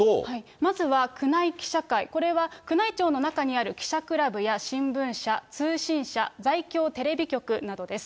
まずは宮内記者会、これは宮内庁の中にある記者クラブや新聞社、通信社、在京テレビ局などです。